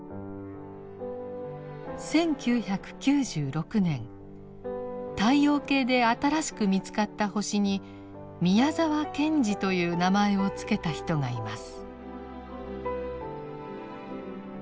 １９９６年太陽系で新しく見つかった星に「宮沢賢治」という名前を付けた人がいます。